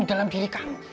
di dalam diri kamu